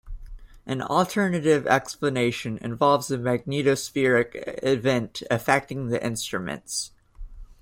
An alternative explanation involves a magnetospheric event affecting the instruments.